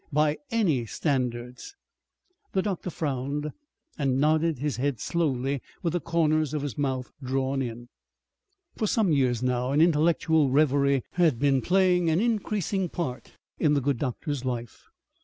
"By any standards?" The doctor frowned and nodded his head slowly with the corners of his mouth drawn in. For some years now an intellectual reverie had been playing an increasing part in the good doctor's life.